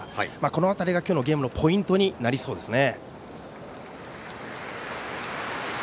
この辺りが今日のゲームのポイントになりそうですね。